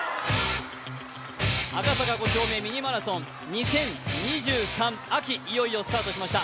赤坂５丁目ミニマラソン２０２３秋、いよいよスタートしました。